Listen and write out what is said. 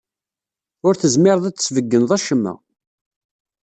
Ur tezmireḍ ad sbeggneḍ acemma.